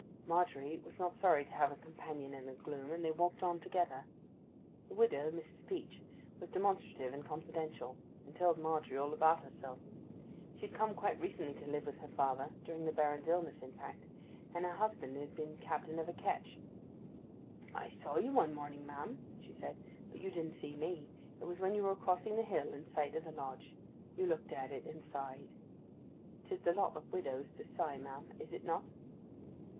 Margery was not sorry to have a companion in the gloom, and they walked on together. The widow, Mrs. Peach, was demonstrative and confidential; and told Margery all about herself. She had come quite recently to live with her father—during the Baron's illness, in fact—and her husband had been captain of a ketch. 'I saw you one morning, ma'am,' she said. 'But you didn't see me. It was when you were crossing the hill in sight of the Lodge. You looked at it, and sighed. 'Tis the lot of widows to sigh, ma'am, is it not?